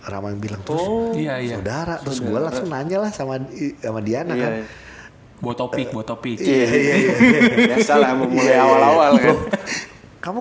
ramai bilang oh iya ya darah terus gue langsung nanya lah sama sama diana botopik botopik kamu